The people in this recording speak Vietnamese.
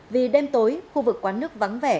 vì đêm tối khu vực quán nước vắng vẻ